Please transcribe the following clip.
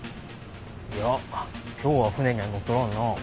いや今日は船には乗っとらんな。